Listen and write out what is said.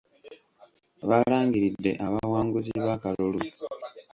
Baalangiridde abawanguzi b'akalulu.